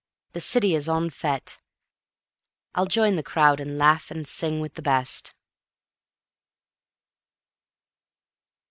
The city is en fete. I'll join the crowd and laugh and sing with the best.